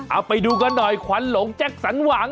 เอาไปดูกันหน่อยขวัญหลงแจ็คสันหวัง